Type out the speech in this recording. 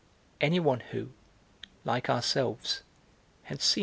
Anyone who, like ourselves, had seen M.